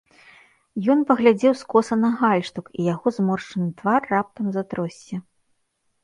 Ён паглядзеў скоса на гальштук, і яго зморшчаны твар раптам затросся.